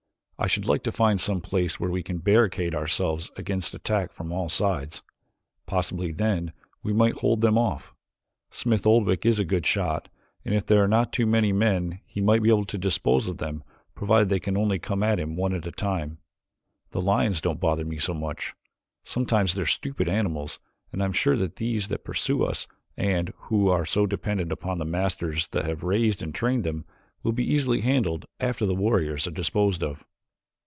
I should like to find some place where we can barricade ourselves against attack from all sides. Possibly then we might hold them off. Smith Oldwick is a good shot and if there are not too many men he might be able to dispose of them provided they can only come at him one at a time. The lions don't bother me so much. Sometimes they are stupid animals, and I am sure that these that pursue us, and who are so dependent upon the masters that have raised and trained them, will be easily handled after the warriors are disposed of."